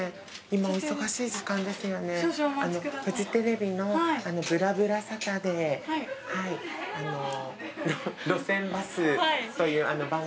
フジテレビの『ぶらぶらサタデー路線バス』という番組なんですけど。